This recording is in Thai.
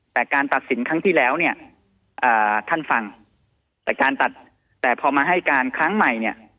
แต่การตัดสินครั้งที่แล้วเนี่ยท่านฟังแต่การตัดแต่พอมาให้การครั้งใหม่เนี่ย